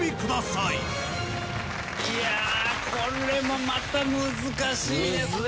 いやこれもまた難しいですね